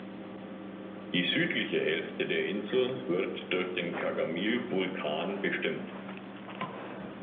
Die südliche Hälfte der Insel wird durch den Kagamil-Vulkan bestimmt.